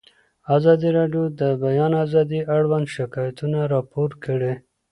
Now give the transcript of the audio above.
ازادي راډیو د د بیان آزادي اړوند شکایتونه راپور کړي.